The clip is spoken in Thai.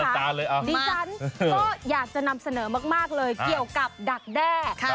ดีจันทร์อยากจะนำเสนอเกี่ยวกับดักด้า